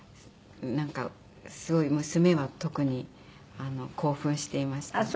なんかすごい娘は特に興奮していました。